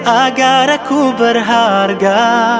agar aku berharga